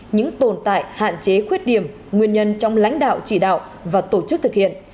những tồn tại hạn chế khuyết điểm nguyên nhân trong lãnh đạo chỉ đạo và tổ chức thực hiện